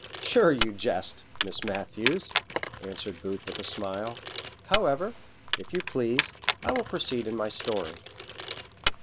"Sure you jest, Miss Matthews," answered Booth with a smile; "however, if you please, I will proceed in my story."